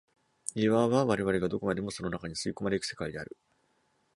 いわば我々がどこまでもその中に吸い込まれ行く世界である。